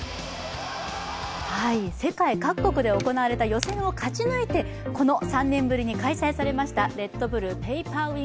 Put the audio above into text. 世界各国で行われた予選を勝ち抜いてこの３年ぶりに開催されました。